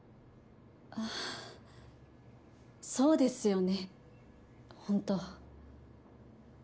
ああそうですよね、本当。